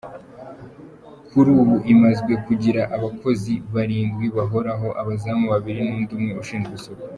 Kuri ubu imazwe kugira abakozi barindwi bahoraho, abazamu babiri n’undi umwe ushinzwe isuku.